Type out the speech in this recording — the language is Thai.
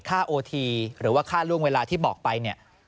โอทีหรือว่าค่าล่วงเวลาที่บอกไปเนี่ย